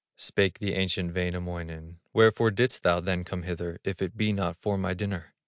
Spake the ancient Wainamoinen: "Wherefore didst thou then come hither, If it be not for my dinner?"